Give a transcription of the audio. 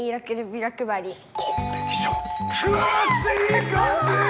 いい感じ！